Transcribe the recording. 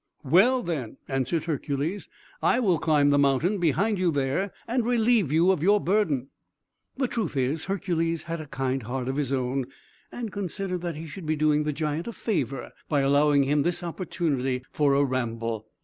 "Well, then," answered Hercules, "I will climb the mountain behind you there and relieve you of your burden." The truth is, Hercules had a kind heart of his own, and considered that he should be doing the giant a favour by allowing him this opportunity for a ramble.